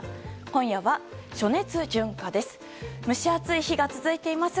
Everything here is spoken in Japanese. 今夜は暑熱順化です。